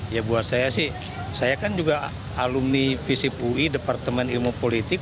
ya buat saya sih saya kan juga alumni visip ui departemen ilmu politik